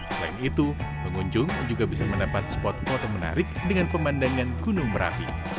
selain itu pengunjung juga bisa mendapat spot foto menarik dengan pemandangan gunung merapi